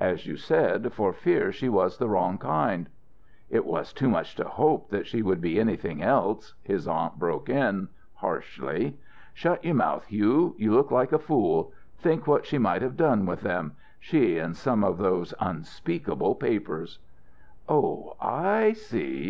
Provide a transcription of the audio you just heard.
"As you said, for fear she was the wrong kind" "It was too much to hope that she would be anything else," his aunt broke in, harshly. "Shut your mouth, Hugh; you look like a fool. Think what she might have done with them she and some of those unspeakable papers." "Oh, I see!